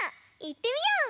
いってみよう！